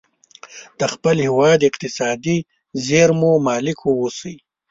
د خپل هیواد اقتصادي زیرمو مالک واوسي.